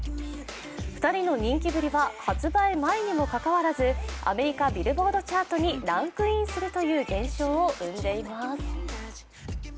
２人の人気ぶりは発売前にもかかわらずアメリカ・ビルボードチャートにランクインするという現象を生んでいます。